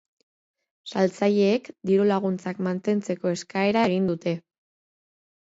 Saltzaileek diru-laguntzak mantentzeko eskaera egin dute.